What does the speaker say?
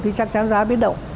thì chắc chắn giá biến động